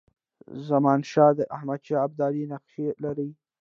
زمانشاه د احمدشاه ابدالي نقشې لري.